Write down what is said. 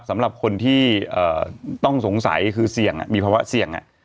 สำหรับคนที่ต้องสงสัยคือเสี่ยงมีภาวะเสี่ยง